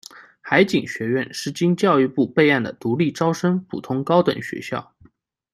海警学院是经教育部备案的独立招生普通高等学校。